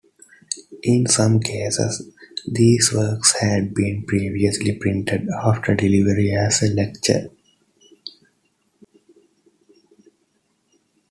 In some cases these works had been previously printed after delivery as a lecture.